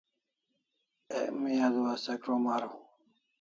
Ek mi adua se krom araw